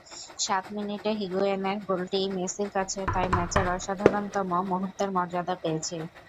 সাত মিনিটে হিগুয়েইনের গোলটিই মেসির কাছে তাই ম্যাচের অসাধারণতম মুহূর্তের মর্যাদা পেয়েছে।